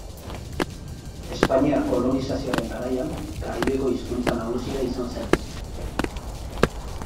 Espainiar kolonizazioaren garaian, Karibeko hizkuntza nagusia izan zen.